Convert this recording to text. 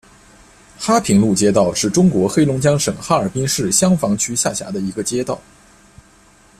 哈平路街道是中国黑龙江省哈尔滨市香坊区下辖的一个街道。